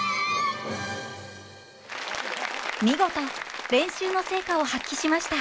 見事練習の成果を発揮しました！